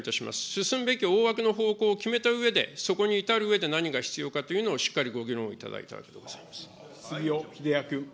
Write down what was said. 進むべき大枠の方向を決めたうえで、そこに至るうえで何が必要かというのを、しっかりご議論いた杉尾秀哉君。